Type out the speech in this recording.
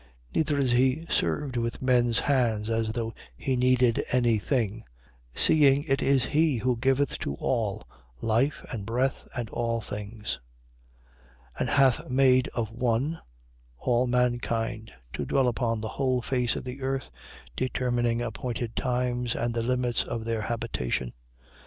Neither is he served with men's hands, as though he needed any thing: seeing it is he who giveth to all life and breath and all things: 17:26. And hath made of one, all mankind, to dwell upon the whole face of the earth, determining appointed times and the limits of their habitation.